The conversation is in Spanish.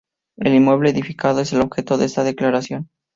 El inmueble edificado es el objeto de esta Declaración.